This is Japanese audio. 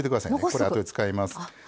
これあとで使います。